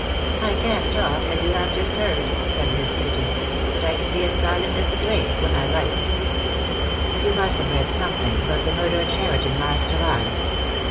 "I can talk, as you have just heard," said Miss Newton; "but I can be silent as the grave, when I like." "You must have read something about the murder at Cheriton last July."